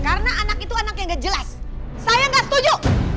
karena anak itu anak yang gak jelas saya gak setuju